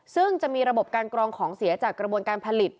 ซึ่งจะมีระบบการกรองของเสียจากกระบวนการผลิต